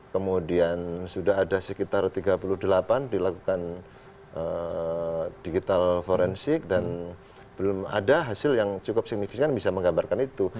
kemudian sudah ada sekitar tiga puluh delapan dilakukan digital forensik dan belum ada hasil yang cukup signifikan bisa menggambarkan itu